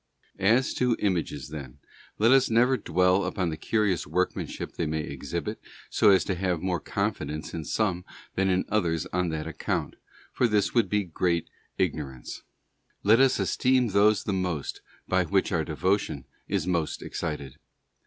. As to Images then, let us never dwell upon the curious workmanship they may exhibit, so as to have more confidence in some than in others on that account, for this would be great ignorance; let us esteem those the most by which our devotion is most excited.